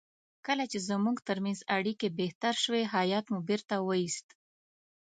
کله چې زموږ ترمنځ اړیکې بهتر شوې هیات مو بیرته وایست.